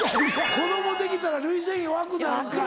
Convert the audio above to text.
子供できたら涙腺弱くなるか。